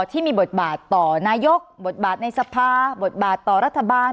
ที่มีบทบาทต่อนายกบทบาทในสภาบทบาทต่อรัฐบาล